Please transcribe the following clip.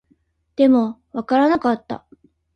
でも、わからなかった